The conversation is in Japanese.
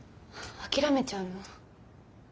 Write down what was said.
諦めちゃうの？